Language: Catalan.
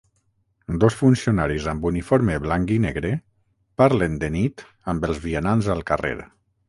Dos funcionaris amb uniforme blanc i negre parlen de nit amb els vianants al carrer.